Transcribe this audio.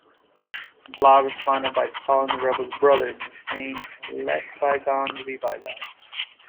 Blah responded by calling the rebels "brothers" and saying "Let bygones be bygones.